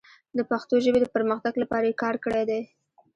د پښتو ژبې د پرمختګ لپاره یې کار کړی دی.